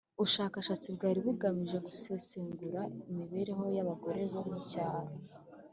Ushakashatsi bwari bugamije gusesengura imibereho y abagore bo mucyaro